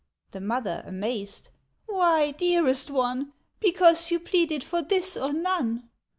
The mother, amazed: "Why, dearest one, Because you pleaded for this or none!"